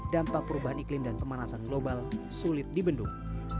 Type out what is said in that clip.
dampak perubahan iklim dan pemanasan global sulit dibendung